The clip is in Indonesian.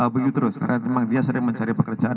beli terus karena memang dia sering mencari pekerjaan